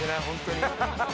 本当に。